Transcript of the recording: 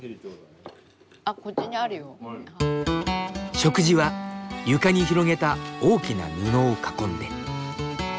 食事は床に広げた大きな布を囲んで。